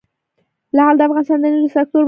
لعل د افغانستان د انرژۍ سکتور برخه ده.